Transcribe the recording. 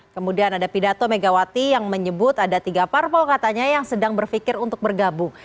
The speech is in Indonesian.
kemudian ada pidato megawati yang menyebut ada tiga parpol katanya yang sedang berpikir untuk bergabung